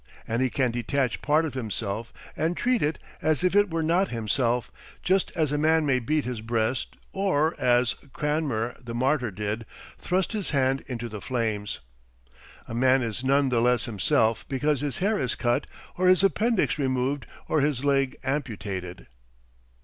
And he can detach part of himself and treat it as if it were not himself, just as a man may beat his breast or, as Cranmer the martyr did, thrust his hand into the flames. A man is none the less himself because his hair is cut or his appendix removed or his leg amputated.